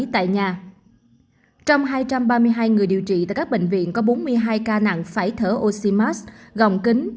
trong hai trăm ba mươi hai người điều trị tại các bệnh viện có bốn mươi hai ca nặng phải thở oxymars gòng kính